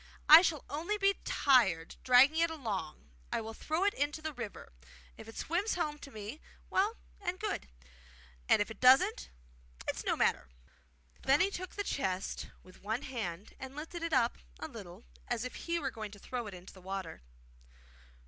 I shall only be tired, dragging it along; I will throw it into the river. If it swims home to me, well and good; and if it doesn't, it's no matter.' Then he took the chest with one hand and lifted it up a little, as if he were going to throw it into the water.